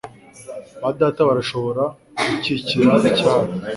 ba Data barashobora kukigira icyabo?